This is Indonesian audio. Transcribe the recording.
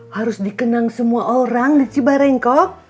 harus dikenang semua orang di cibarengkok